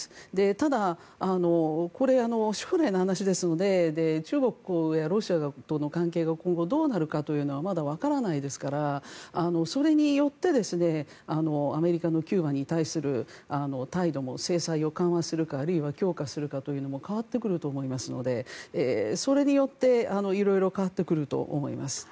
ただ、これ、将来の話ですので中国やロシアとの関係が今後どうなるかというのはまだ、わからないですからそれによってアメリカのキューバに対する態度も制裁を緩和するのかあるいは強化するのかも変わってくると思いますのでそれによって色々変わってくると思います。